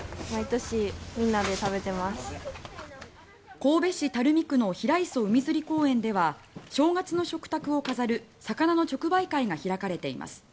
神戸市垂水区の平磯海釣り公園では正月の食卓を飾る魚の直売会が開かれています。